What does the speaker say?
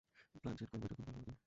Planchette করবোই যখন, ভালোভাবে করি।